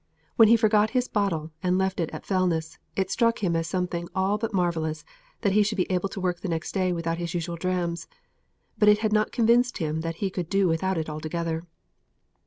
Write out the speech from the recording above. When he forgot his bottle and left it at Fellness, it struck him as something all but marvellous that he should be able to work the next day without his usual drams, but it had not convinced him that he could do without it all together.